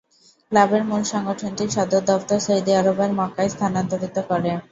ক্লাবের মূল সংগঠনটি সদর দফতর সৌদি আরবের মক্কায় স্থানান্তরিত করে।